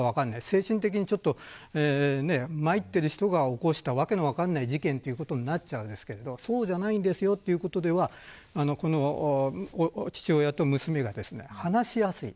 精神的にまいっている人が起こした、訳の分からない事件となってしまいますがそうじゃないんですよということで父親と娘が話しやすい。